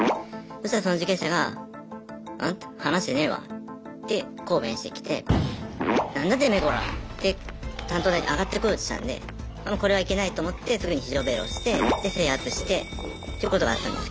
そしたらその受刑者がって抗弁してきて「何だてめえこら！」って担当台上がってこようとしたんでもうこれはいけないと思ってすぐに非常ベル押してで制圧してっていうことがあったんですけど。